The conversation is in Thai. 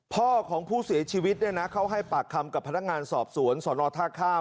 พ่อของผู้เสียชีวิตเนี่ยนะเขาให้ปากคำกับพนักงานสอบสวนสนท่าข้าม